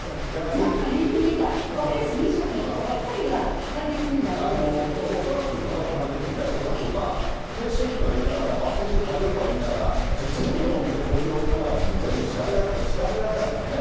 なんか目に見えた、分かりやすい飲食の所ばっかりがターゲットになってるんですけど恐らく、高岡さん、あれですよね、恐らく、停止といいながら、罰則、過料とはいいながら、じゃあ全部のお店、東京都内のお店、全部調べられるのかっていったら、調べられないですよね。